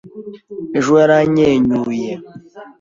Ejo yaranyenyuye.